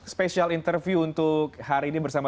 special interview untuk hari ini bersama